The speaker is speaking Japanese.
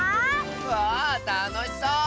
わあたのしそう！